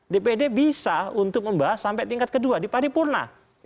dpd bisa untuk membahas sampai tingkat kedua di paripurna